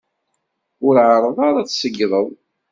Ur εerreḍ ara ad s-tzeyydeḍ!